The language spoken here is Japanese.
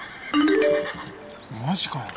マジかよ？